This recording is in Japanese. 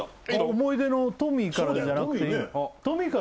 思い出のトミーからでじゃなくていいの？